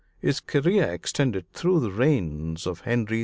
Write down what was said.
His career extended through the reigns of Henry II.